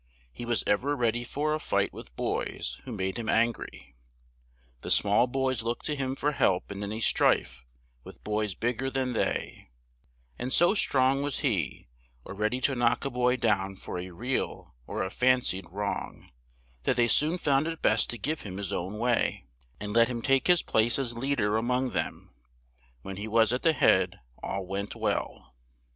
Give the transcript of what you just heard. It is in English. He was ev er read y for a fight with boys who made him an gry; the small boys looked to him for help in any strife with boys big ger than they; and so strong was he, or read y to knock a boy down for a real or a fan cied wrong, that they soon found it best to give him his own way, and let him take his place as lead er a mong them; when he was at the head all went well.